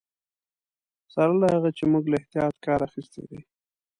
سره له هغه چې موږ له احتیاط کار اخیستی دی.